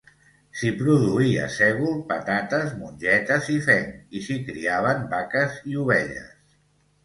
S'hi produïa sègol, patates, mongetes i fenc, i s'hi criaven vaques i ovelles.